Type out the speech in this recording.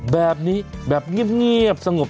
แบบนี้แบบเงียบ